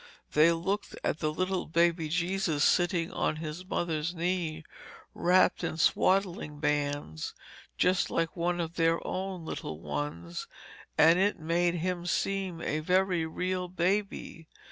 They looked at the little Baby Jesus sitting on His mother's knee, wrapped in swaddling bands, just like one of their own little ones, and it made Him seem a very real baby.